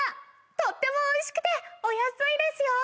とってもおいしくてお安いですよ！